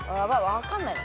分かんないな。